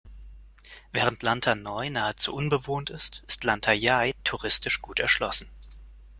Während Lanta Noi nahezu unbewohnt ist, ist Lanta Yai touristisch gut erschlossen.